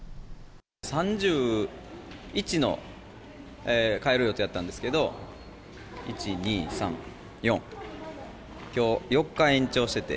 ３１の帰る予定やったんですけど、１、２、３、４、きょう４日延長してて。